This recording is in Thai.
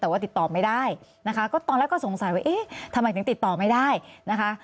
แต่ว่าติดต่อไม่ได้นะคะก็ตอนแรกก็สงสัยว่าเอ๊ะทำไมถึงติดต่อไม่ได้นะคะ